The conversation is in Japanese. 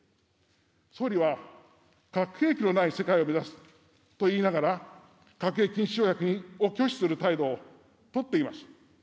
総理は核兵器のない世界を目指すと言いながら、核兵器禁止条約を拒否する態度を取っています。